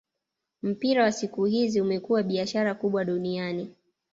Mpira wa siku hizi umekuwa biashara kubwa duniani